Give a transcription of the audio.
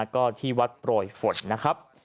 ก็ที่วัดโปรยฝนนะครับ